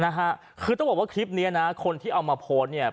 นะฮะคือต้องบอกว่าคลิปนี้นะคนที่เอามาโพสต์เนี่ย